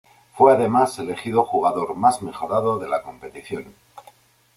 Fue además elegido Jugador más mejorado de la competición.